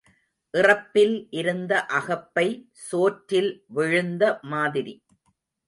இறப்பில் இருந்த அகப்பை சோற்றில் விழுந்த மாதிரி.